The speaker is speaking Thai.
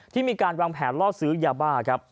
ที่มีการวางแผนล่อซื้อยาบ้าครับ